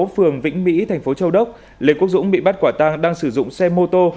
phường vĩnh mỹ thành phố châu đốc lê quốc dũng bị bắt quả tang đang sử dụng xe mô tô